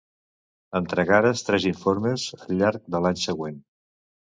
Entregares tres informes al llarg de l'any següent.